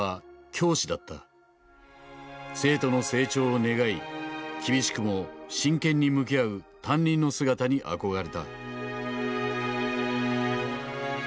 生徒の成長を願い厳しくも真剣に向き合う担任の姿に憧れた。